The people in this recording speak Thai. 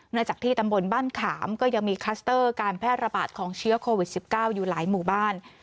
จากที่ตำบลบ้านขามก็ยังมีคลัสเตอร์การแพร่ระบาดของเชื้อโควิด๑๙อยู่หลายหมู่บ้าน